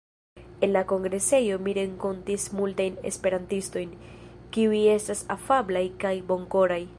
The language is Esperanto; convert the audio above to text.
En la kongresejo mi renkontis multajn esperantistojn, kiuj estas afablaj kaj bonkoraj.